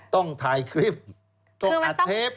ต้องถ่ายคลิปต้องอัดเทป